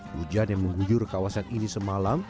hujan yang mengguyur kawasan ini semalam